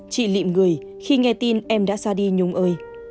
chị lịm người khi nghe tin em đã xa đi nhung ơi